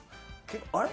あれ？